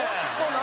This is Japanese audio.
何？